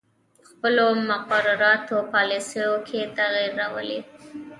خپلو مغرضانه پالیسیو کې تغیر راولي